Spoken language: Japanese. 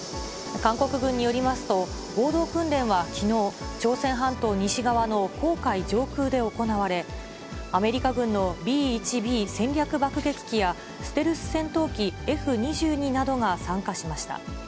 韓国軍によりますと、合同訓練はきのう、朝鮮半島西側の黄海上空で行われ、アメリカ軍のＢ１Ｂ戦略爆撃機や、ステルス戦闘機Ｆ２２などが参加しました。